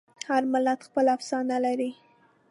هر ملت خپله افسانه لري.